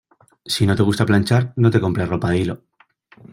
Si no te gusta planchar, no te compres ropa de hilo.